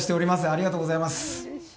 ありがとうございます。